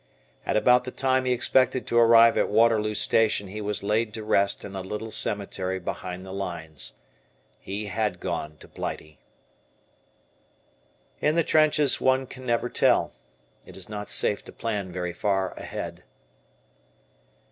At about the time he expected to arrive at Waterloo Station he was laid to rest in a little cemetery behind the lines. He had gone to Blighty. In the trenches one can never tell, it is not safe to plan very far ahead.